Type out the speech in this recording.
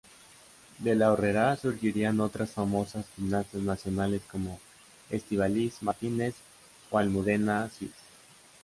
Del Aurrera surgirían otras famosas gimnastas nacionales como Estíbaliz Martínez o Almudena Cid.